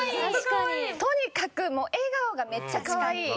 とにかくもう笑顔がめっちゃ可愛い。